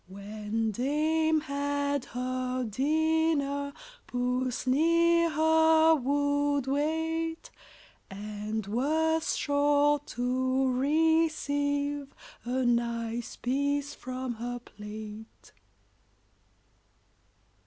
When Dame had her dinner Puss near her would wait, And was sure to receive A nice piece from her plate.